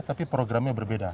tapi programnya berbeda